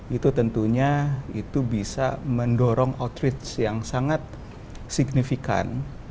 itu tentunya itu bisa mendorong outreach yang sangat signifikan